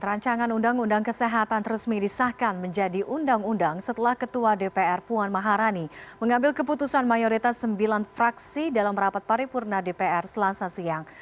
rancangan undang undang kesehatan resmi disahkan menjadi undang undang setelah ketua dpr puan maharani mengambil keputusan mayoritas sembilan fraksi dalam rapat paripurna dpr selasa siang